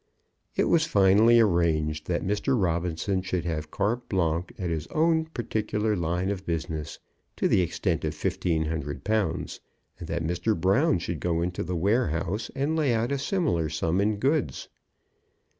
It was finally arranged that Mr. Robinson should have carte blanche at his own particular line of business, to the extent of fifteen hundred pounds, and that Mr. Brown should go into the warehouse and lay out a similar sum in goods.